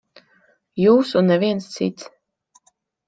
Jūs un neviens cits.